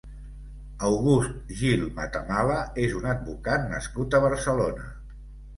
August Gil Matamala és un advocat nascut a Barcelona.